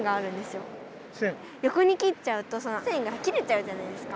よこに切っちゃうとその線が切れちゃうじゃないですか。